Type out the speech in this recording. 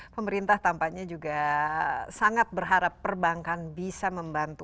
pemerintah tampaknya juga sangat berharap perbankan bisa membantu